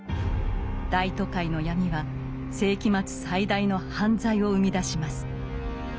大都会の闇は世紀末最大の犯罪を生み出します。